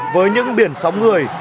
với những biển sóng người